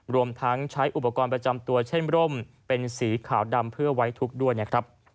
รวมทั้งใช้อุปกรณ์ประจำตัวเช่นร่มเป็นสีขาวดำเพื่อไว้ทุกข์ด้วยนะครับ